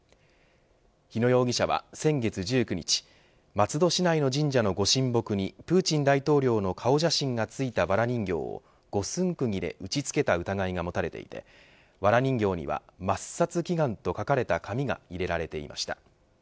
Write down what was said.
日野容疑者は先月１９日松戸市内の神社のご神木にプーチン大統領の顔写真がついたわら人形を五寸くぎで打ちつけた疑いが持たれていてわら人形には抹殺祈願と書かれた紙が入れられていました。